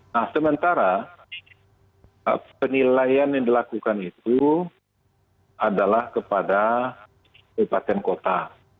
nah sementara penilaian yang dilakukan itu adalah kepada kabupaten kota